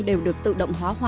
đều được tự động hóa hoa